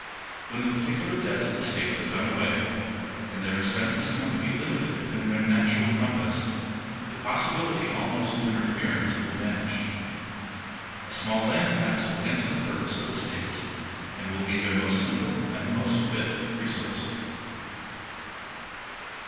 When the particular debts of the States are done away, and their expenses come to be limited within their natural compass, the possibility almost of interference will vanish. A small land tax will answer the purpose of the States, and will be their most simple and most fit resource.